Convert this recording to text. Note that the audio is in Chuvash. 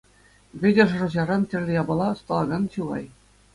Вӗтӗ шӑрҫаран тӗрлӗ япала ӑсталакан чылай.